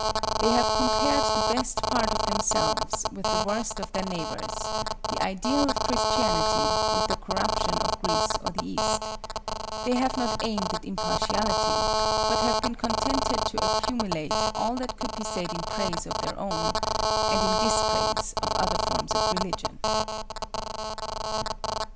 They have compared the best part of themselves with the worst of their neighbors, the ideal of Christianity with the corruption of Greece or the East. They have not aimed at impartiality, but have been contented to accumulate all that could be said in praise of their own, and in dispraise of other forms of religion."